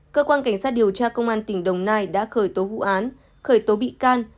cơ quan cảnh sát điều tra công an tỉnh đồng nai đã khởi tố vụ án khởi tố bị can